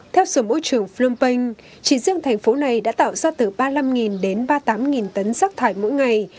theo sở môi trường phnom penh chỉ riêng thành phố này đã tạo ra từ ba mươi năm đến ba mươi tám tấn rác thải mỗi ngày